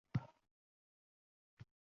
Qushlar bilan uchay desa